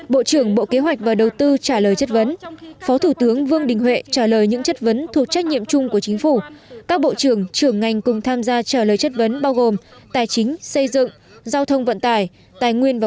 bộ trưởng bộ y tế nguyễn thị kim tiến trả lời các nội dung này